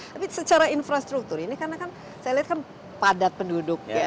tapi secara infrastruktur ini karena kan saya lihat kan padat penduduk ya